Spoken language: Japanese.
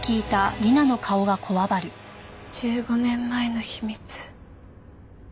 １５年前の秘密。